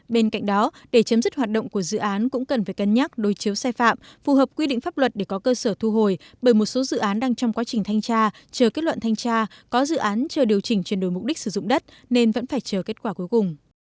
bên cạnh đó để chấm dứt hoạt động của dự án cũng cần phải cân nhắc đối chiếu sai phạm phù hợp quy định pháp luật để có cơ sở thu hồi bởi một số dự án đang trong quá trình thanh tra chờ kết luận thanh tra có dự án chờ điều chỉnh chuyển đổi mục đích sử dụng đất nên vẫn phải chờ kết quả cuối cùng